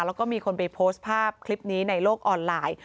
แล้วก็มีคนไปโพสต์ภาพคลิปนี้ในโลกออนไลน์